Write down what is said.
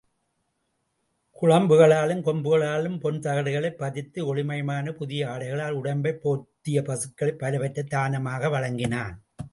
குளம்புகளிலும் கொம்புகளிலும் பொன் தகடுகளைப் பதித்து, ஒளிமயமான புதிய ஆடைகளால் உடம்பைப் போர்த்திய பசுக்கள் பலவற்றைத் தானமாக வழங்கினான்.